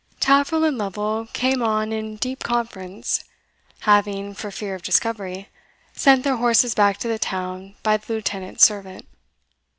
Taffril and Lovel came on in deep conference, having, for fear of discovery, sent their horses back to the town by the Lieutenant's servant.